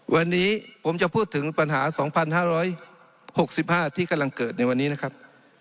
วันนี้ผมจะพูดถึงปัญหา๒๕๖๕ที่กำลังเกิดในวันนี้นะครับ